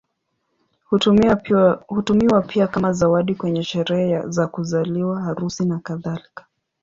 Hutumiwa pia kama zawadi kwenye sherehe za kuzaliwa, harusi, nakadhalika.